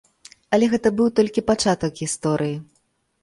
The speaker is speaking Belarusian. Але гэта быў толькі пачатак гісторыі.